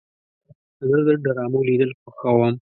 زه د ډرامو لیدل خوښوم.